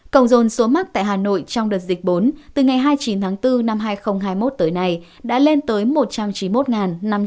cổng dồn số mắc tại hà nội trong đợt dịch bốn từ ngày hai mươi chín tháng bốn năm hai nghìn hai mươi một tới nay đã lên tới một trăm chín mươi một năm trăm linh người